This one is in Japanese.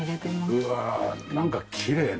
うわなんかきれいね。